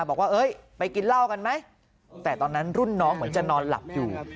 บอกว่าไปกินเหล้ากันไหมแต่ตอนนั้นรุ่นน้องเหมือนจะนอนหลับอยู่